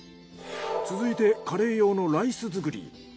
続いてカレー用のライス作り。